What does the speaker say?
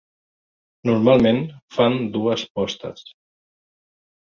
Normalment fan dues postes.